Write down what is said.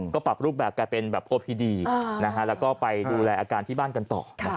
ก็ปรับรูปแบบกลายเป็นแบบโอพีดีแล้วก็ไปดูแลอาการที่บ้านกันต่อ